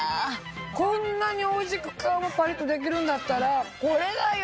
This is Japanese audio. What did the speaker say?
こんなにおいしく皮がパリっとできるんだったらこれだよ！